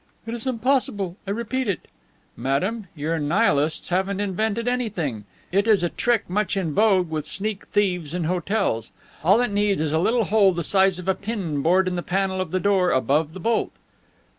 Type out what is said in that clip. "It is impossible. I repeat it." "Madame, your Nihilists haven't invented anything. It is a trick much in vogue with sneak thieves in hotels. All it needs is a little hole the size of a pin bored in the panel of the door above the bolt."